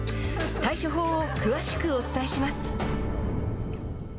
対処法を詳しくお伝えします。